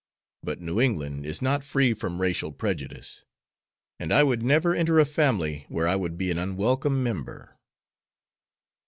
But New England is not free from racial prejudice, and I would never enter a family where I would be an unwelcome member."